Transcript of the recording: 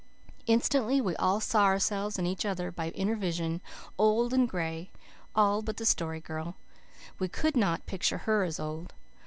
Instantly we all saw ourselves and each other by inner vision, old and gray all but the Story Girl. We could not picture her as old.